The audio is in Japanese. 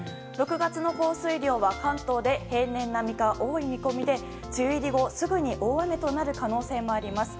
６月の降水量は関東で平年並みか多い見込みで、梅雨入り後すぐに大雨となる可能性もあります。